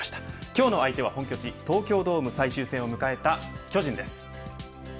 今日の相手は本拠地、東京ドームで最終戦を迎えた巨人です。